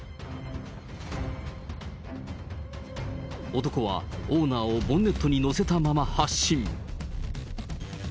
男はオーナーをボンネットに乗せたまま発進。